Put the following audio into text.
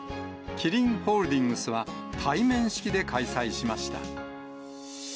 キリンホールディングスは、対面式で開催しました。